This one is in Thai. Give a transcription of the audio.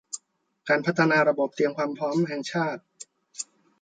การพัฒนาระบบเตรียมความพร้อมแห่งชาติ